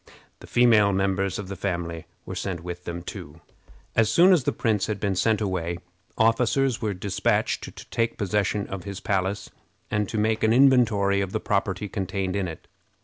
The female members of the family were sent with them too. As soon as the prince had been sent away, officers were dispatched to take possession of his palace, and to make an inventory of the property contained in it.